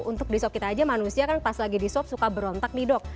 untuk di swab kita aja manusia kan pas lagi di swab suka berontak nih dok